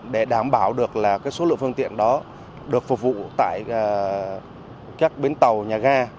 để đảm bảo được số lượng phương tiện đó được phục vụ tại các bến tàu nhà ga